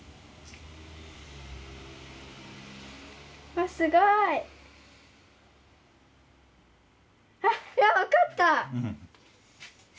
わっすごい。あっ分かった！